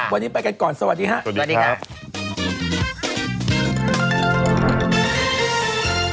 วันนี้ไปกันก่อนสวัสดีครับ